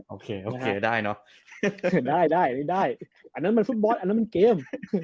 โอเคโอเคได้เนาะได้ได้อันนั้นมันฟุตบอสอันนั้นมันเกม